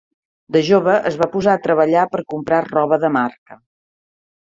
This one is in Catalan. De jove es va posar a treballar per comprar roba de marca.